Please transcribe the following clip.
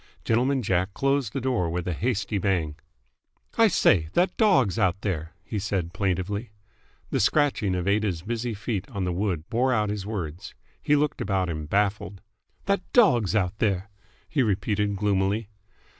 Gentleman Jack closed the door with a hasty bang. "I say that dog's out there!" he said plaintively. The scratching of Aida's busy feet on the wood bore out his words. He looked about him, baffled. "That dog's out there!" he repeated gloomily.